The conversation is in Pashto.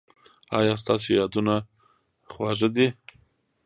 ایا ستاسو یادونه خوږه ده؟